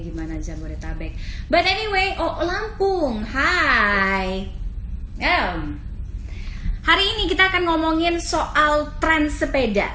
gimana zamboreta back but anyway oh lampung hai emm hari ini kita akan ngomongin soal tren sepeda